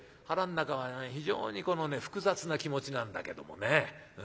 腹ん中は非常にこのね複雑な気持ちなんだけどもね。